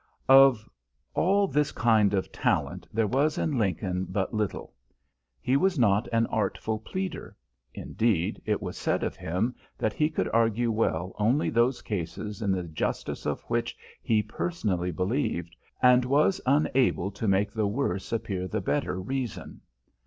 Of all this kind of talent there was in Lincoln but little. He was not an artful pleader; indeed, it was said of him that he could argue well only those cases in the justice of which he personally believed, and was unable to make the worse appear the better reason.